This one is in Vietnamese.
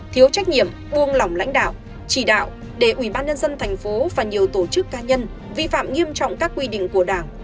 thiếu trách nhiệm buông lỏng lãnh đạo chỉ đạo để ủy ban nhân dân thành phố và nhiều tổ chức ca nhân vi phạm nghiêm trọng các quy định của đảng